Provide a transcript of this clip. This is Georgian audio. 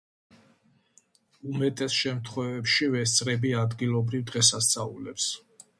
უმეტეს შემთხვევებში ვესწრები ადგილობრივ დღესასწაულებს